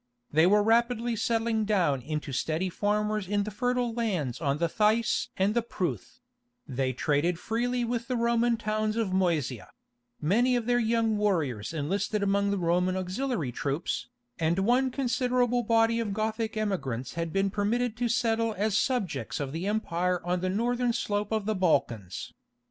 They were rapidly settling down into steady farmers in the fertile lands on the Theiss and the Pruth; they traded freely with the Roman towns of Moesia; many of their young warriors enlisted among the Roman auxiliary troops, and one considerable body of Gothic emigrants had been permitted to settle as subjects of the empire on the northern slope of the Balkans.